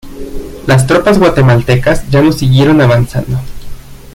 Las tropas guatemaltecas ya no siguieron avanzando.